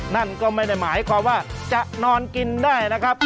นั่นก็ไม่ได้หมายความว่าจะนอนกินได้นะครับ